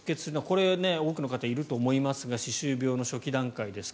これ、多くの方いると思いますが歯周病の初期段階です。